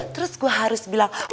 terus gua harus bilang